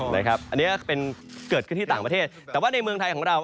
อันนี้ก็เป็นเกิดขึ้นที่ต่างประเทศแต่ว่าในเมืองไทยของเรา